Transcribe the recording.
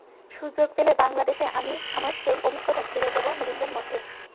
সুযোগ পেলে বাংলাদেশে আমি আমার সেই অভিজ্ঞতা ঢেলে দেব নবীনদের মধ্যে।